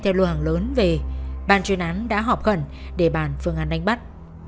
đối tượng nga sẽ đem theo lưu hàng lớn về ban chuyên án đã họp gần để bàn phương án đánh bắt